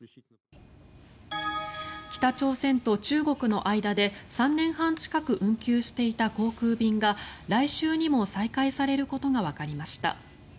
北朝鮮と中国の間で３年半近く運休していた航空便が来週にも再開されることがわかりました。